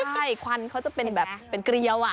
ใช่ควันเขาจะเป็นแบบเป็นเกลียว